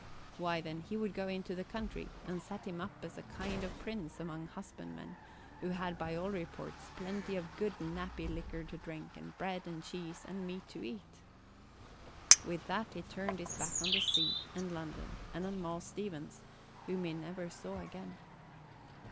Why, then, he would go into the country and set him up as a kind of prince among husbandmen, who had, by all reports, plenty of good nappy liquor to drink and bread and cheese and meat to eat. With that he turned his back on the sea and London and on Moll Stevens, whom he never saw again.